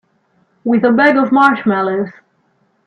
With a bag of marshmallows.